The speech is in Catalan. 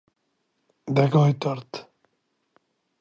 De coll tort.